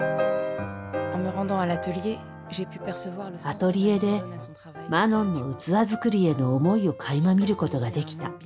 アトリエでマノンの器作りへの思いをかいま見ることができた。